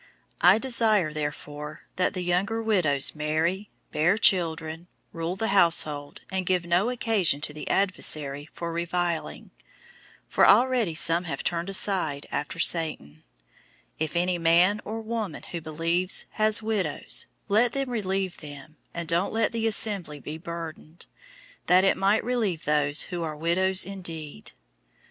005:014 I desire therefore that the younger widows marry, bear children, rule the household, and give no occasion to the adversary for reviling. 005:015 For already some have turned aside after Satan. 005:016 If any man or woman who believes has widows, let them relieve them, and don't let the assembly be burdened; that it might relieve those who are widows indeed.